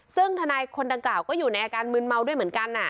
ซึ่งทนายคนดังกล่าวก็อยู่ในอาการมืนเมาด้วยเหมือนกัน